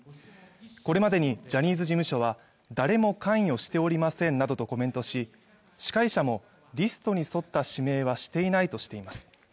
これまでにジャニーズ事務所は誰も関与しておりませんなどとコメントし司会者もリストに沿った指名はしていないとしています